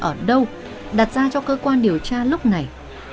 ở đâu đặt ra cho cơ quan điều tra lúc này